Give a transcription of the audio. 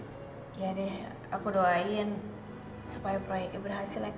iya deh aku doain supaya proyeknya berhasil ya kak